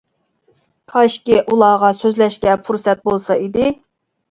كاشكى ئۇلارغا سۆزلەشكە پۇرسەت بولسا ئىدى.